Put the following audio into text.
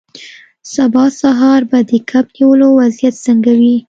سبا سهار به د کب نیولو وضعیت څنګه وي